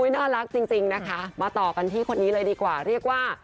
น่ารักจริงนะคะมาต่อกันที่คนนี้เลยดีกว่า